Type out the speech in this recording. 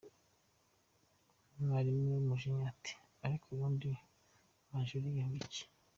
Mwarimu n'umujinya ati ariko ubundi maje uriye ibiki?.